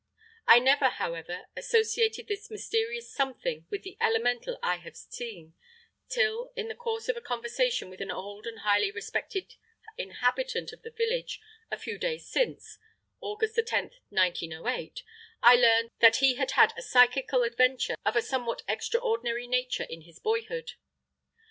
I never, however, associated this mysterious something with the Elemental I had seen, till, in the course of a conversation with an old and highly respected inhabitant of the village a few days since (August 10, 1908), I learned that he had had a psychical adventure of a somewhat extraordinary nature in his boyhood.